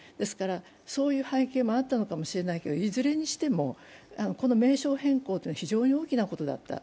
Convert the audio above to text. そういう背景もあったのかもしれないけれど、いずれにしてもこの名称変更は非常に大きなことだった。